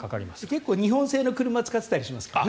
結構、日本製の車を使ってたりしますから。